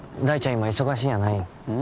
今忙しいんやないん？